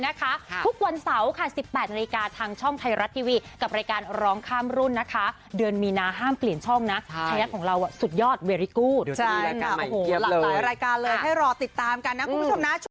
ให้รอติดตามกันนะคุณผู้ชมนะ